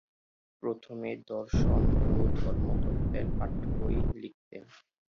প্রথমে দর্শন ও ধর্মতত্ত্বের পাঠ্যবই লিখতেন।